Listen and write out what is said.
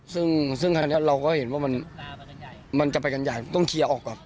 ซึ่งคราวนี้เราก็เห็นว่ามันจะไปกันใหญ่ต้องเคลียร์ออกก่อน